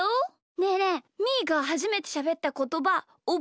ねえねえみーがはじめてしゃべったことばおぼえてる？